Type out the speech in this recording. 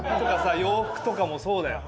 洋服とかもそうだよ